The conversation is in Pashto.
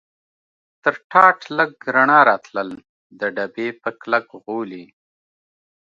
تر ټاټ لږ رڼا راتلل، د ډبې په کلک غولي.